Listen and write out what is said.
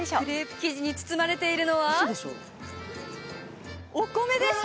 生地に包まれているのはお米でした！